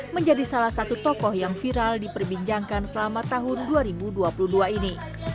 menjadi salah satu tokoh yang viral diperbincangkan selama tahun dua ribu dua puluh dua ini